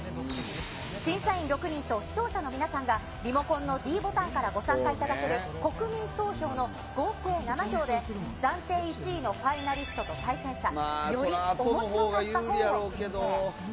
審査員６人と視聴者の皆さんが、リモコンのｄボタンからご参加いただける、国民投票の合計７票で、暫定１位のファイナリストと対戦者、よりおもしろかったほうを決定。